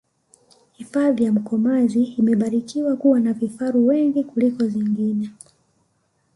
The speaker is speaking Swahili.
hifadhi ya mkomazi imebarikiwa kuwa na vifaru wengi kuliko zingine